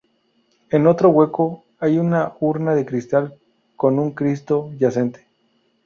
En otro hueco hay una urna de cristal con un "Cristo yacente".